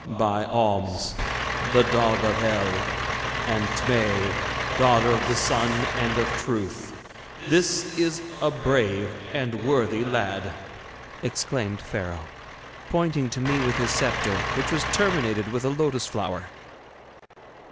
'By Oms, the dog of Hell, and Tmei, daughter of the Sun and of Truth, this is a brave and worthy lad!' exclaimed Pharaoh, pointing to me with his sceptre, which was terminated with a lotus flower.